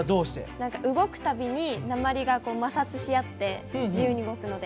何か動くたびに鉛がこう摩擦しあって自由に動くので。